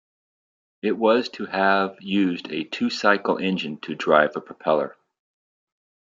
It was to have used a two-cycle engine to drive a propeller.